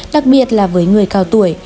đặc biệt là với người cao tuổi